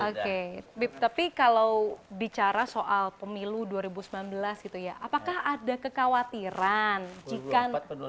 oke bip tapi kalau bicara soal pemilu dua ribu sembilan belas gitu ya apakah ada kekhawatiran jika